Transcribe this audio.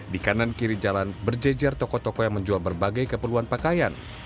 di kanan kiri jalan berjejer toko toko yang menjual berbagai keperluan pakaian